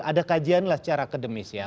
ada kajian lah secara akademis ya